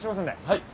はい。